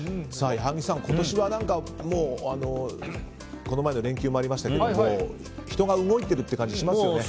矢作さん、今年はこの前の連休もありましたけど人が動いているという感じがしますよね。